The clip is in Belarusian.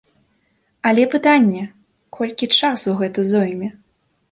Але пытанне, колькі часу гэта зойме.